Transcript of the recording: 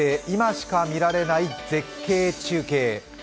今しかみられない絶景中継」